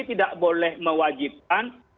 tidak boleh mewajibkan